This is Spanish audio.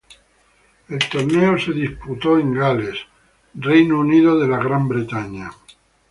El torneo se disputó Gales, nación del Reino Unido.